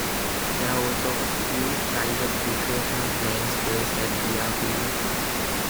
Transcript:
There are also a few private recreational planes based at the airfield.